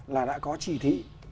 là đã có chỉ thị